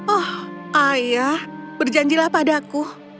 oh ayah berjanjilah padaku